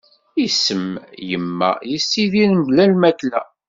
Isem "yimma", yessidir mebla lmakla.